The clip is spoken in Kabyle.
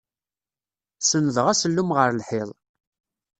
Senndeɣ asellum ɣer lḥiḍ.